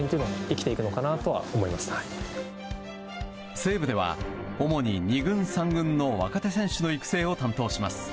西武では主に２軍、３軍の若手選手の育成を担当します。